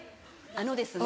あのですね